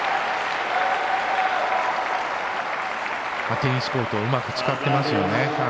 テニスコートをうまく使ってますよね。